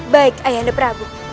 baik ayahanda prabu